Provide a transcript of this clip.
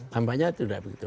tampaknya tidak begitu